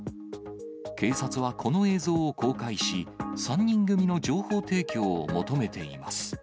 警察はこの映像を公開し、３人組の情報提供を求めています。